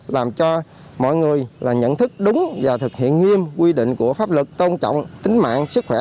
làm cho mọi người là nhận thức đúng và thực hiện nghiêm quy định của pháp luật tôn trọng tính mạng sức khỏe